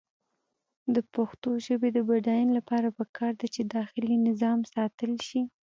د پښتو ژبې د بډاینې لپاره پکار ده چې داخلي نظام ساتل شي.